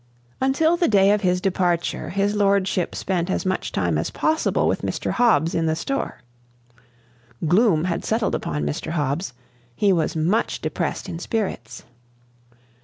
Until the day of his departure, his lordship spent as much time as possible with Mr. Hobbs in the store. Gloom had settled upon Mr. Hobbs; he was much depressed in spirits.